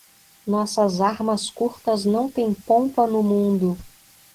Nossas armas curtas não têm pompa no mundo.